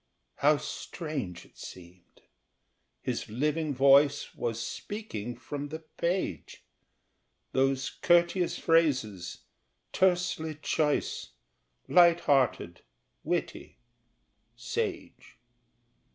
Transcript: How strange it seemed! His living voice Was speaking from the page Those courteous phrases, tersely choice, Light hearted, witty, sage.